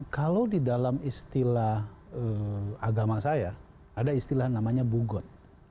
kalau di dalam istilah agama saya ada istilah namanya bugot